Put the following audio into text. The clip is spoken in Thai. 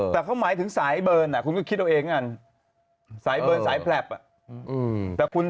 แต่เขาหมายถึงสายเบิร์นอะคุณก็คิดเอาเองกัน